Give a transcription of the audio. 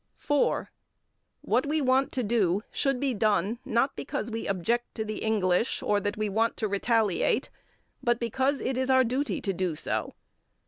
4. What we want to do should be done, not because we object to the English or that we want to retaliate, but because it is our duty to do so.